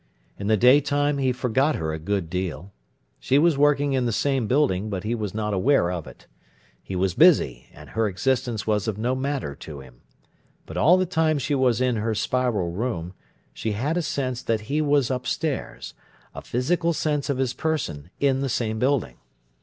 In the daytime he forgot her a good deal. She was working in the same building, but he was not aware of it. He was busy, and her existence was of no matter to him. But all the time she was in her Spiral room she had a sense that he was upstairs, a physical sense of his person in the same building.